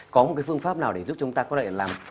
có một cái phương pháp nào để giúp chúng ta có thể làm